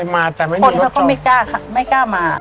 มาแต่ไม่มีรถก่อนคนเขาก็ไม่กล้าค่ะไม่กล้ามา